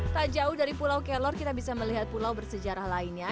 tak jauh dari pulau kelor kita bisa melihat pulau bersejarah lainnya